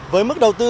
với mức đầu tư